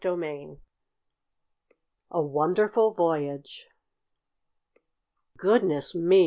CHAPTER II A WONDERFUL VOYAGE "Goodness me!